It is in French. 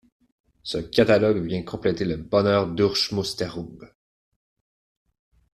Ce catalogue vient compléter le Bonner Durchmusterung.